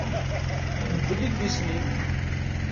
Mdel idlisen-im!